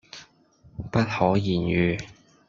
不可言喻